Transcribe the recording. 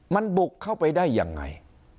มันบุกเข้าไปได้ยังไง